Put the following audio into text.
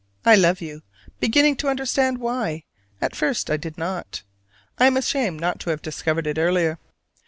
I love you, beginning to understand why: at first I did not. I am ashamed not to have discovered it earlier.